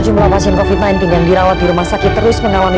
jumlah pasien covid sembilan belas yang dirawat di rumah sakit terus mengalami